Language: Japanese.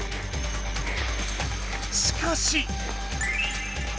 しかし。